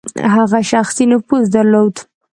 هغه شخصي نفوذ درلود.